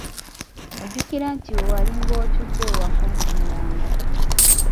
Ojjukira nti we walinga otudde we wakunkumulanga.